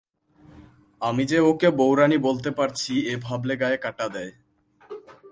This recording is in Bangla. আমি যে ওঁকে বউরানী বলতে পারছি এ ভাবলে গায়ে কাঁটা দেয়।